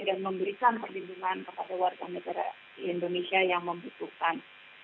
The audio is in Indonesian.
dan memberikan perlindungan kepada warga negara indonesia yang membutuhkan